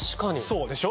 そうでしょ？